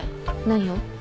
何を？